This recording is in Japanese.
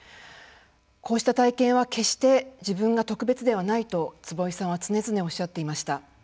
こうした体験は決して自分が特別ではないと坪井さんは常々おっしゃっていました。